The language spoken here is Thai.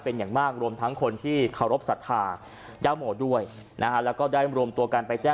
เป็นอย่างมากรวมทั้งคนที่เคารพศัทธาย่าโหมด้วยนะฮะ